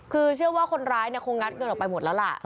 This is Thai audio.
คือเชื่อว่าคนร้ายคงงัดเงินออกไปหมดแล้วล่ะ